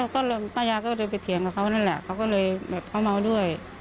ก็เลยป้ายาก็เลยไปเถียงกับเขานั่นแหละเขาก็เลยแบบเขาเมาด้วย